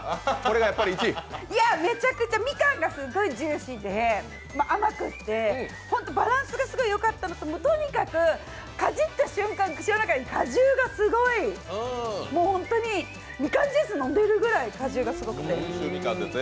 めちゃくちゃ、みかんがすごいジューシーで甘くてホント、バランスがよかったのと、とにかくかじった瞬間、口の中に果汁がすごいもうほんとにみかんジュース飲んでるくらい果汁がすごくて。